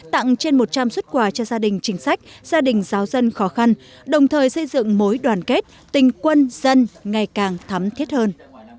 tặng trên một trăm linh xuất quà cho gia đình chính sách gia đình giáo dân khó khăn đồng thời xây dựng mối đoàn kết tình quân dân ngày càng thắm thiết hơn